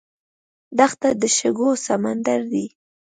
دښته د شګو سمندر دی.